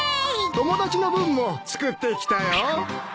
友達の分も作ってきたよ。